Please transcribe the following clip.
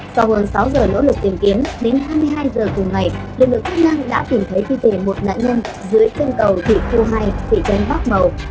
sau hơn sáu giờ nỗ lực tìm kiếm đến hai mươi hai giờ cùng ngày lực lượng khách năng đã tìm thấy thi thể một nạn nhân dưới cân cầu thị khu hai thị trấn pháp màu